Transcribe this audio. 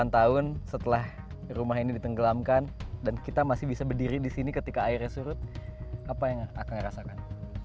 delapan tahun setelah rumah ini ditenggelamkan dan kita masih bisa berdiri di sini ketika airnya surut apa yang akan ngerasakan